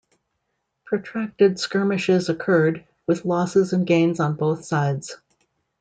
Protracted skirmishes occurred, with losses and gains on both sides.